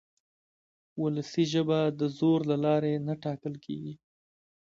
وولسي ژبه د زور له لارې نه ټاکل کېږي.